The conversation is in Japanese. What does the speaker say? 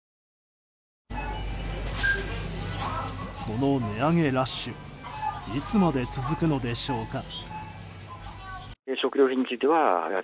この値上げラッシュいつまで続くのでしょうか。